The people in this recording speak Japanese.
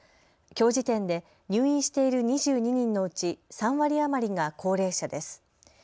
きょう時点で入院している２２人のうち、３割余りが高齢者です。